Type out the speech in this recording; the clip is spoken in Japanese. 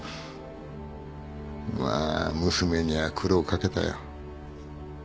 まあ娘には苦労掛けたよ。